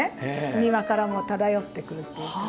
庭からも漂ってくるっていうか。